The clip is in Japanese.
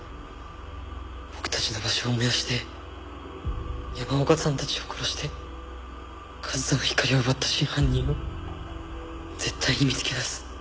僕たちの場所を燃やして山岡さんたちを殺して和沙の光を奪った真犯人を絶対に見つけ出す。